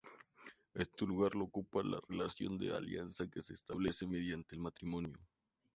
Este lugar lo ocupa la relación de alianza que se establece mediante el matrimonio.